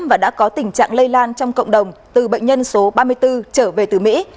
và đã có tình trạng lây lan trong cộng đồng từ bệnh nhân số ba mươi bốn trở về từ mỹ